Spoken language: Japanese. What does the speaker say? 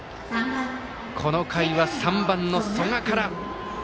この回は３番の曽我から。